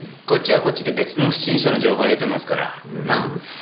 こっちはこっちで別の不審者の情報を得てますから。なあ？